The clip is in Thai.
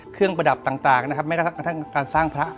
เครื่องประดับต่างนะครับไม่กระทั่งการสร้างพระ